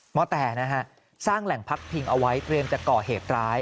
แต่นะฮะสร้างแหล่งพักพิงเอาไว้เตรียมจะก่อเหตุร้าย